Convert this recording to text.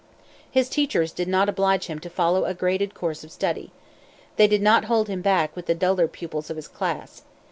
His teachers did not oblige him to follow a graded course of study. They did not hold him back with the duller pupils of his class.